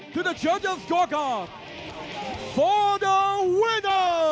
เพื่อให้ตัวหนึ่ง